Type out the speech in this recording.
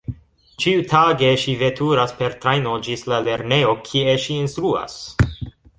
Ĉiutage ŝi veturas per trajno ĝis la lernejo, kie ŝi instruas.